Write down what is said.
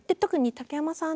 竹山さん。